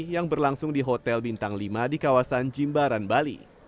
yang berlangsung di hotel bintang lima di kawasan jimbaran bali